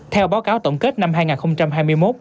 theo báo cáo tổng kết năm hai nghìn hai mươi một